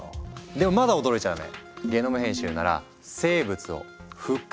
でもまだ驚いちゃダメ。